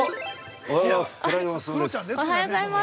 おはようございます。